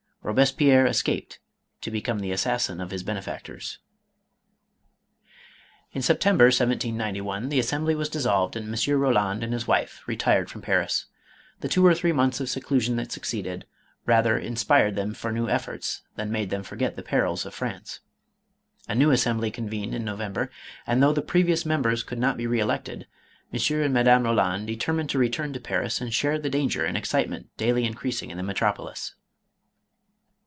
Robespierre escaped to become the assassin of his benefactors. In September 1791, the Assembly was dissolved and M. Roland and his wife retired from Paris. The two or three months of seclusion that succeeded, rather in spired them for new efforts, than made them forget the perils of France. A new Assembly convened in No vember, and though the previous members could not be re elected, M. and Madame Roland determined to return to Paris and share the danger and excitement daily increasing in the metropolis.